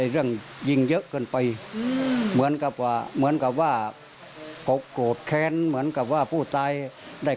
เรื่องที่เถียงกันมันเกื้องอะไร